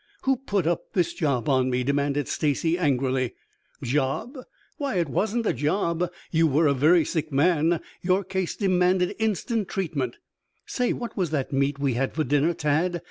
"Who put up this job on me?" demanded Stacy angrily. "Job? Why, it wasn't a job. You were a very sick man. Your case demanded instant treatment " "Say, what was that meat we had for dinner, Tad?"